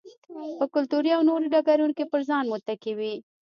په کلتوري او نورو ډګرونو کې پر ځان متکي وي.